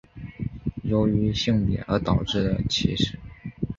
由于性别而导致的歧视。